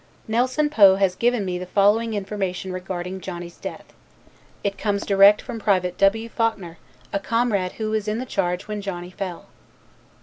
Nelson Poe has given me the following information regarding Johnny's death. It comes direct from Private W. Faulkner, a comrade who was in the charge when Johnny fell.